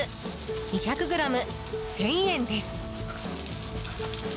２００ｇ、１０００円です。